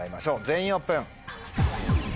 全員オープン。